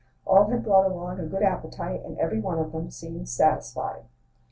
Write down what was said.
All had brought along a good appetite, And every one of them seemed satisfied.